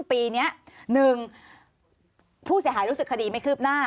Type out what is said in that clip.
ผู้ชายสวัสดีค่ะ